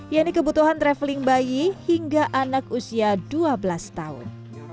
yaitu kebutuhan traveling bayi hingga anak usia dua belas tahun